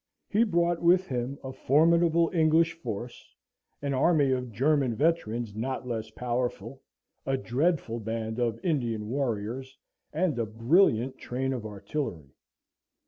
He brought with him a formidable English force, an army of German veterans not less powerful, a dreadful band of Indian warriors, and a brilliant train of artillery.